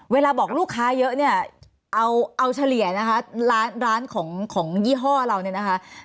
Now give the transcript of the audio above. เวลาบอกลูกค้าเยอะเนี่ยเอาเฉลี่ยนะคะร้านของยี่ห้อเราเนี่ยนะคะ